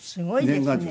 年賀状。